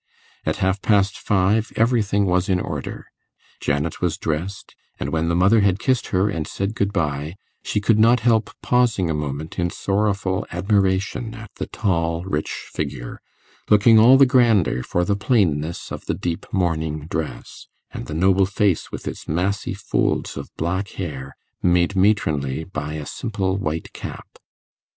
At half past five everything was in order; Janet was dressed; and when the mother had kissed her and said good bye, she could not help pausing a moment in sorrowful admiration at the tall rich figure, looking all the grander for the plainness of the deep mourning dress, and the noble face with its massy folds of black hair, made matronly by a simple white cap.